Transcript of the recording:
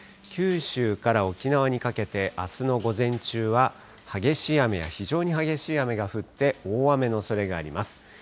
九州から沖縄にかけて、あすの午前中は激しい雨や非常に激しい雨が降って、大雨のおそれがあります。